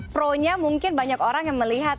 pronya mungkin banyak orang yang melihat